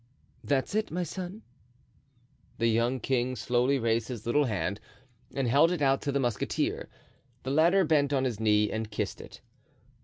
"That is it, my son." The young king slowly raised his little hand and held it out to the musketeer; the latter bent on his knee and kissed it.